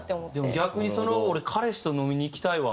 でも逆にその俺彼氏と飲みに行きたいわ。